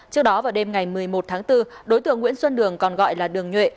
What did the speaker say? trước đó vào đêm ngày một mươi một tháng bốn đối tượng nguyễn xuân đường còn gọi là đường nhuệ